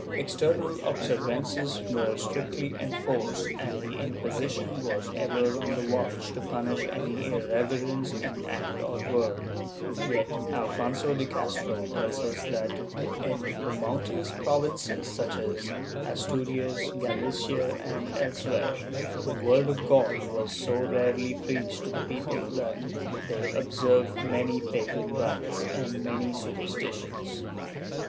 External observances were strictly enforced, and the Inquisition was ever on the watch to punish any irreverence in act or word, yet Alfonso de Castro tells us that, in the mountainous provinces, such as Asturias, Galicia and elsewhere, the word of God was so rarely preached to the people that they observed many pagan rites and many super stitions.